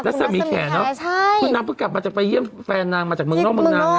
แล้วสมีแขนเนอะคุณน้ำเพิ่งกลับมาจากไปเยี่ยมแฟนน้ำมาจากเมืองนอกเมืองนอก